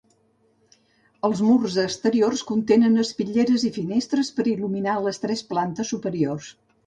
Els murs exteriors contenen espitlleres i finestres per il·luminar les tres plantes superiors.